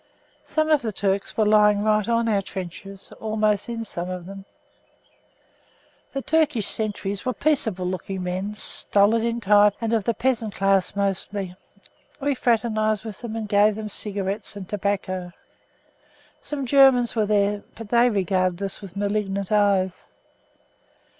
Some of the Turks were lying right on our trenches, almost in some of them. The Turkish sentries were peaceable looking men, stolid in type and of the peasant class mostly. We fraternised with them and gave them cigarettes and tobacco. Some Germans were there, but they viewed us with malignant eyes.